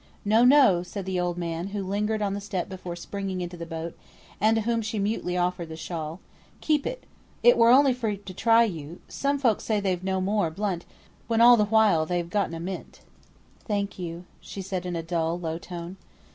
"No, no!" said the older man, who lingered on the step before springing into the boat, and to whom she mutely offered the shawl. "Keep it! we donnot want it. It were only for to try you, some folks say they've no more blunt, when all the while they've getten a mint." "Thank you," said she, in a dull, low tone.